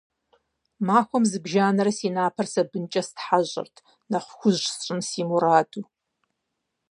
Махуэм зыбжанэрэ си напэр сабынкӀэ стхьэщӀырт, нэхъ хужь сщӀын си мураду.